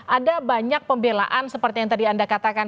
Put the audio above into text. ada banyak pembelaan seperti yang tadi anda katakan